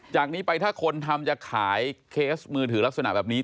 จากนี้ไปถ้าคนทำจะขายเคสมือถือลักษณะแบบนี้